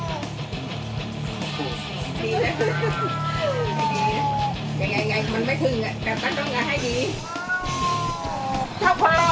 โอ้ไม่ต้องร้ายเหรอ